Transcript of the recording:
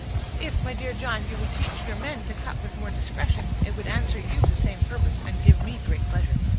"If, my dear John, you would teach your men to cut with more discretion, it would answer you the same purpose—and give me great pleasure."